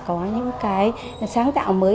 có những cái sáng tạo mới